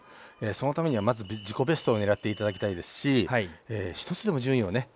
そのためにはまず自己ベストを狙って頂きたいですし１つでも順位をね